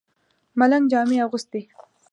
ملنګ جامې اغوستې.